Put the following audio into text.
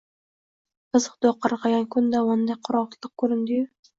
Bir xudo qargʼagan kun dovonda qora otliq koʼrin-di-yu!